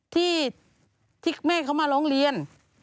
ที่แม่เขามาร้องเรียน